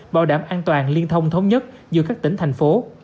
bảo đảm an toàn liên thông thống nhất giữa các tỉnh thành phố